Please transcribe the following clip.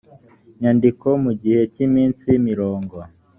nyandiko mu gihe cy iminsi mirongo